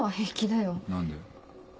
何で？